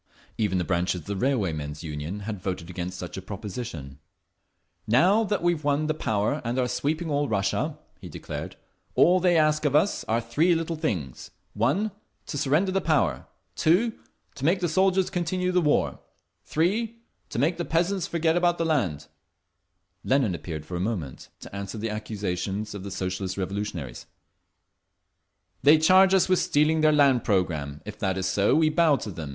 Even the branches of the Railwaymen's Union had voted against such a proposition…. "Now that we've won the power and are sweeping all Russia," he declared, "all they ask of us are three little things: 1. To surrender the power. 2. To make the soldiers continue the war. 3. To make the peasants forget about the land…." Lenin appeared for a moment, to answer the accusations of the Socialist Revolutionaries: "They charge us with stealing their land programme…. If that is so, we bow to them.